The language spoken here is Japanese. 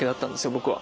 僕は。